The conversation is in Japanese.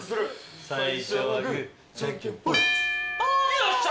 よっしゃ！